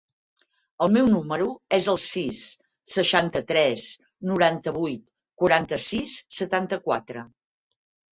El meu número es el sis, seixanta-tres, noranta-vuit, quaranta-sis, setanta-quatre.